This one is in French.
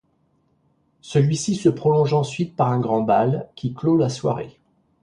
Celui-ci se prolonge ensuite par un grand bal, qui clôt la soirée.